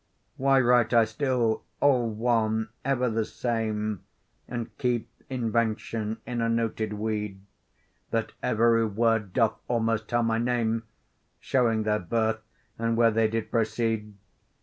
Why write I still all one, ever the same, And keep invention in a noted weed, That every word doth almost tell my name, Showing their birth, and where they did proceed?